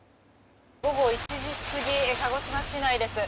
午後１時過ぎ鹿児島市内です。